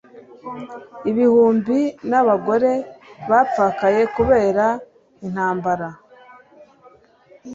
Ibihumbi nabagore bapfakaye kubera intambara